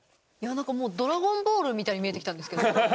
なんかもうドラゴンボールみたいに見えてきたんですけど。